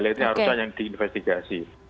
ini harusnya yang diinvestigasi